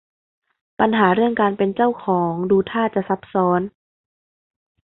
ปัญหาเรื่องการเป็นเจ้าของดูท่าจะซับซ้อน